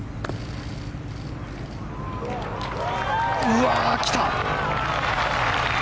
うわ、来た！